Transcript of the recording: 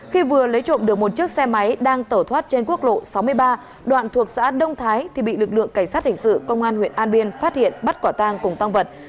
khi vừa lấy trộm được một chiếc xe máy đang tẩu thoát trên quốc lộ sáu mươi ba đoạn thuộc xã đông thái thì bị lực lượng cảnh sát hình sự công an huyện an biên phát hiện bắt quả tang cùng tăng vật